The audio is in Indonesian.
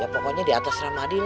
pokoknya diatas rahmadi